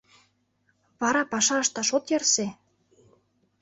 Вара паша ышташ от ярсе...